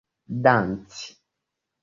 danci